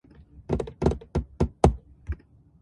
C'est le coéquipier du meneur.